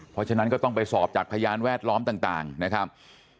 เพราะฉะนั้นก็ต้องไปสอบจากพยานแวดล้อมต่างนะครับ